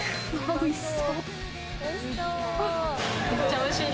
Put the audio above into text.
おいしそう。